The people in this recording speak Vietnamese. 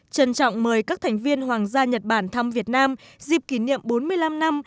trân trọng mời các thành viên hoàng gia nhật bản thăm việt nam dịp kỷ niệm bốn mươi năm năm